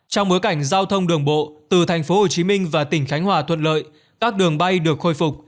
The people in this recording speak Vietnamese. trong bối cảnh giao thông đường bộ từ tp hcm và tỉnh khánh hòa thuận lợi các đường bay được khôi phục